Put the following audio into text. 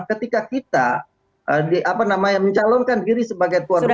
ketika kita mencalonkan diri sebagai tuan rumah